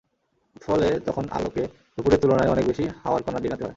ফলে তখন আলোকে দুপুরের তুলনায় অনেক বেশি হাওয়ার কণা ডিঙাতে হয়।